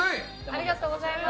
ありがとうございます。